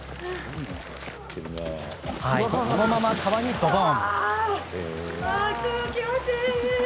そのまま川にドボン。